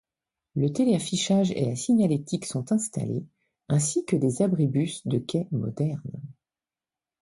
Le télé-affichage et la signalétique sont installées, ainsi que des abris de quai modernes.